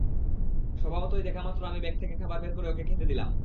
স্বভাবতই, দেখামাত্র আমি ব্যাগ থেকে খাবার বের করে ওকে খেতে দিলাম।